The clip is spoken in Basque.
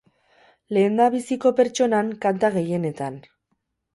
Lehendabiziko pertsonan, kanta gehienetan.